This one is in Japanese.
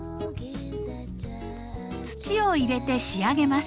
土を入れて仕上げます。